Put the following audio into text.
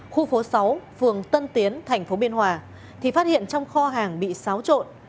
khu phố sáu phường tân tiến thành phố biên hòa thì phát hiện trong kho hàng bị xáo trộn